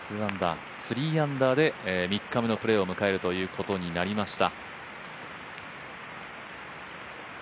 ３アンダーで３日目のプレーを迎えることになりました。